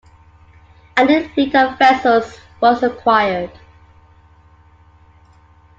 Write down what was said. A new fleet of vessels was acquired.